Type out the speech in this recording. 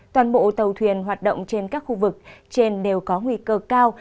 toàn bộ tàu thuyền hoạt động trên các khu vực trên đều có nguy cơ cao